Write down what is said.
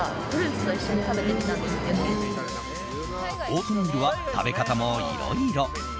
オートミールは食べ方もいろいろ。